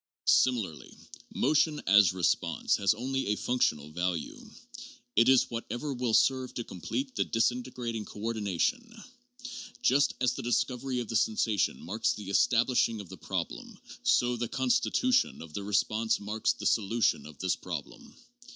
Similarly, motion, as response, has only a functional value. It is whatever will serve to complete the disintegrating coordi nation. Just as the discovery of the sensation marks the estab lishing of the problem, so the constitution of the response marks the solution of this problem.